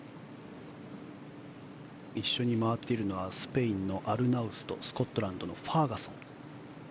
一緒に回っているのはスペインのアルナウスとスコットランドのファーガソン。